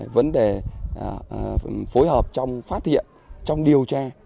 vấn đề phối hợp trong phát hiện trong điều tra